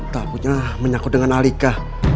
takutnya menyangkut dengan alika